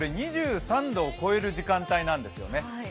２３度を超える時間帯なんですよね。